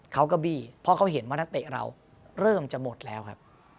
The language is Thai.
เขาก็บี้เพราะเขาเห็นว่านักเตะเราเริ่มจะหมดแล้วครับ